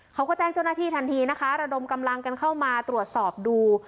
เขาก็แจ้งเจ้าหน้าที่ทันทีนะคะระดมกำลังกันเข้ามาตรวจสอบดู